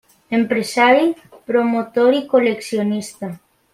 Empresari, promotor i col·leccionista.